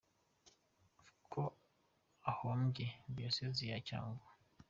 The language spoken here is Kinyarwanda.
fr ko ahombya Diyoseze ya Cyangugu ?.